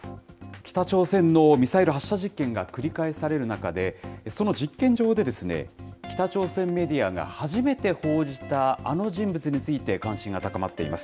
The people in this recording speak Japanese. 北朝鮮のミサイル発射実験が繰り返される中で、その実験場で、北朝鮮メディアが初めて報じたあの人物について、関心が高まっています。